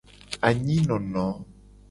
Anyi nono.